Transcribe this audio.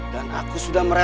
dan aku sudah menangis